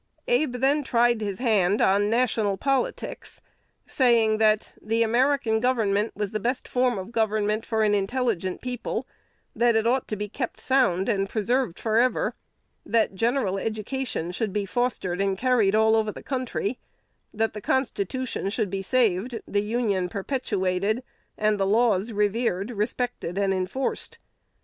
Abe then tried his hand on "national politics," saying that "the American Government was the best form of government for an intelligent people; that it ought to be kept sound, and preserved forever; that general education should be fostered and carried all over the country; that the Constitution should be saved, the Union perpetuated, and the laws revered, respected, and enforced."